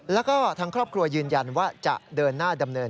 แล้วก็ทางครอบครัวยืนยันว่าจะเดินหน้าดำเนิน